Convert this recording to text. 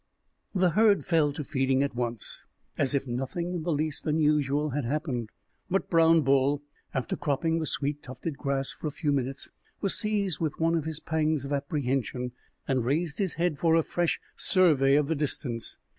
The herd fell to feeding at once, as if nothing in the least unusual had happened. But Brown Bull, after cropping the sweet, tufted grass for a few minutes, was seized with one of his pangs of apprehension, and raised his head for a fresh survey of the distance.